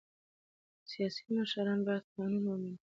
سیاسي مشران باید قانون ومني